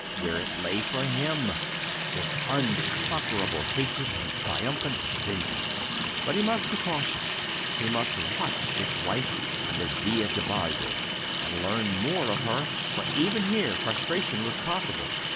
Where it lay for him—in unconquerable hatred and triumphant vengeance. But he must be cautious: he must watch this wife in the Via de' Bardi, and learn more of her; for even here frustration was possible.